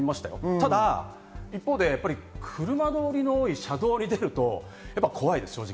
ただ一方で、車通りの多い車道に出ると、やはり怖い。